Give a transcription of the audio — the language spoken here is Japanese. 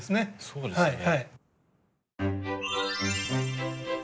そうですよね。